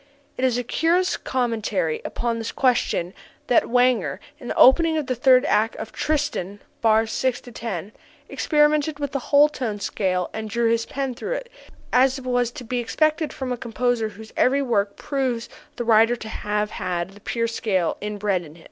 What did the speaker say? It is a curious commentary upon this question that Wagner, in the opening of the third act of Tristan (bars 6 to 10), experimented with the whole tone scale and drew his pen through it, as was to be expected from a composer whose every work proves the writer to have had the pure scale inbred in him."